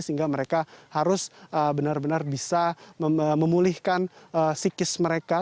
sehingga mereka harus benar benar bisa memulihkan psikis mereka